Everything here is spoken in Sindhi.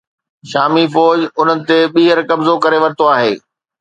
شامي فوج انهن تي ٻيهر قبضو ڪري ورتو آهي